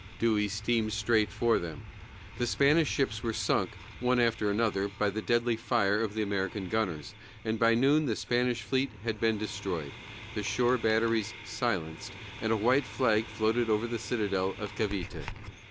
Dewey steamed straight for them; the Spanish ships were sunk, one after another, by the deadly fire of the American gunners, and by noon the Spanish fleet had been destroyed, the shore batteries silenced, and a white flag floated over the citadel of Cavité.